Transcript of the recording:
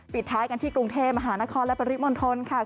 ท้ายกันที่กรุงเทพมหานครและปริมณฑลค่ะ